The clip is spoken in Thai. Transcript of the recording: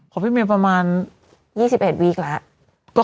เที่ยวเองในกลางธันวาค่ะ